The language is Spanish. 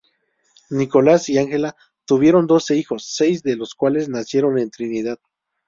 Nicolas y Angela tuvieron doce hijos, seis de los cuales nacieron en Trinidad.